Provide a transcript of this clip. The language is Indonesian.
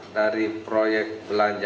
dari proyek belanja